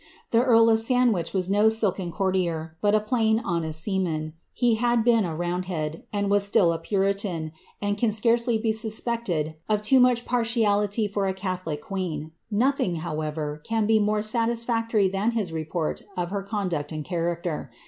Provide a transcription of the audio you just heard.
The earl of Sandwich was no ier, but a plain, honest seaman ; he had been a roundhead, [ a puritan, and can scarcely be suspected of too much par »ttholic queen. Nothing, however, can be more satisfactory ^rt of her conduct and character.